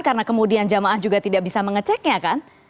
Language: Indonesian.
karena kemudian jamaah juga tidak bisa mengeceknya kan